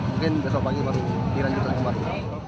mungkin besok pagi baru dilanjutkan kembali